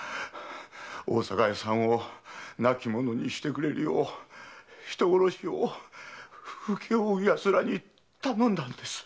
大阪屋さんを亡き者にしてくれるように人殺しを請け負う奴らに頼んだんです。